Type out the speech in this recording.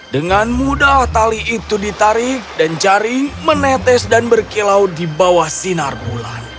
dengan mudah tali itu ditarik dan jaring menetes dan berkilau di bawah sinar bulan